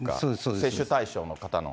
接種対象の方の。